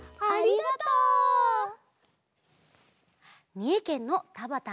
みえけんのたばた